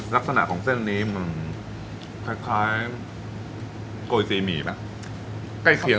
ลักษณะของเส้นนี้มันคล้ายโกยซีหมี่ไหมใกล้เคียง